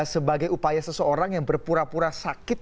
sebagai upaya seseorang yang berpura pura sakit